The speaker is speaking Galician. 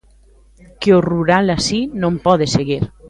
Que o rural así non pode seguir...